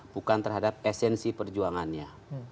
bukan terhadap esensi perjuangannya